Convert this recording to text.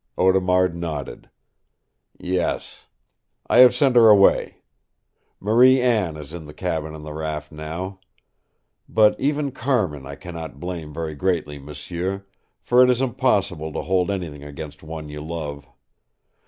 Audemard nodded. "Yes. I have sent her away. Marie Anne is in the cabin on the raft now. But even Carmin I can not blame very greatly, m'sieu, for it is impossible to hold anything against one you love.